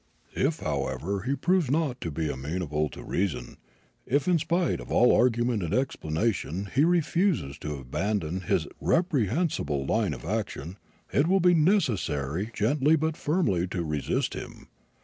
"If, however, he proves not to be amenable to reason, if in spite of all argument and explanation he refuses to abandon his reprehensible line of action, it will be necessary gently but firmly to resist him.